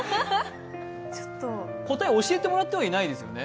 答えを教えてもらってはいないですよね？